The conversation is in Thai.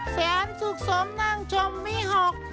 แสนสุขสมนั่งชมวิหอก